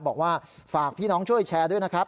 บอกว่าฝากพี่น้องช่วยแชร์ด้วยนะครับ